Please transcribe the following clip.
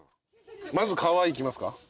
まず皮いきますか？